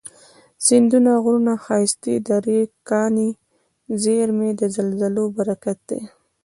سیندونه، غرونه، ښایستې درې، کاني زیرمي، د زلزلو برکت دی